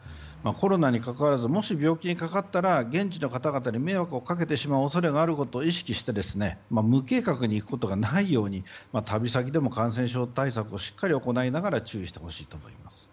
コロナにかかわらずもし病気にかかったら現地の方々に迷惑をかけてしまうことを意識して無計画に行くことがないように旅先でも感染症対策をしっかり行いながら注意してほしいと思います。